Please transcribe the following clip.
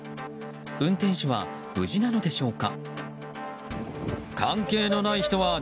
運転手は無事なのでしょうか。